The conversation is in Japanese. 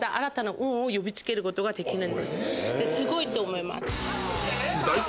すごいと思います。